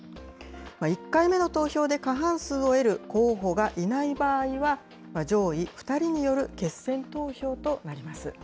１回目の投票で過半数を得る候補がいない場合は、上位２人による決選投票となります。